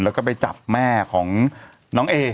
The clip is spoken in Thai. แล้วก็ไปจับแม่ของน้องเอ